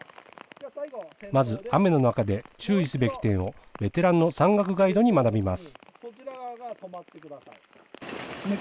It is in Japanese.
まず雨の中で注意すべき点を、ベテランの山岳ガイドに学びます。